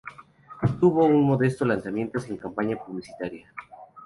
Tuvo un modesto lanzamiento, sin campaña publicitaria.